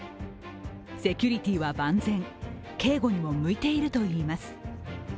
セキュリティーは万全、警護にも向いているといいます。